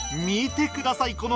見てください